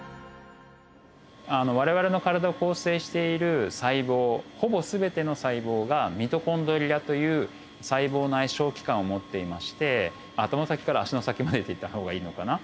我々の体を構成している細胞ほぼ全ての細胞がミトコンドリアという細胞内小器官を持っていまして頭の先から足の先までって言った方がいいのかな。